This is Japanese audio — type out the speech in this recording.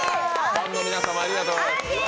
ファンの皆様、ありがとうございます。